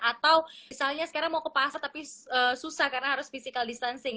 atau misalnya sekarang mau ke pasar tapi susah karena harus physical distancing